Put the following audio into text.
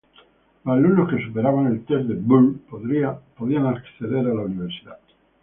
Los alumnos que superaban el test de Burt podían acceder a la universidad.